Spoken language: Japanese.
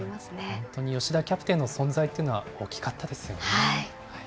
本当に吉田キャプテンの存在というのは大きかったですよね。